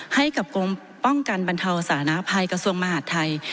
ให้กับกรมป้องกันบรรเทาสานภัยกระทรวงมหาดไทย